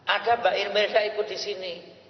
ada mbak imelda ikut disini